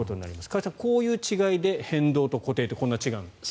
加谷さん、こういう違いで変動と固定ってこんなに違うんですね。